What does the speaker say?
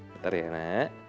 bentar ya nak